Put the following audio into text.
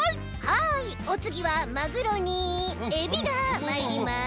はいおつぎはマグロにエビがまいります。